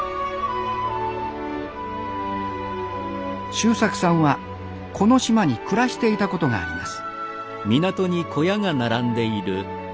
修策さんはこの島に暮らしていたことがあります。